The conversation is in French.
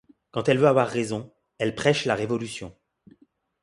Quand elle veut avoir raison, elle prêche la révolution.